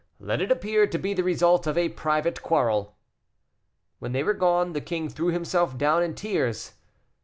Let it appear to be the result of a private quarrel." When they were gone, the king threw himself down in tears.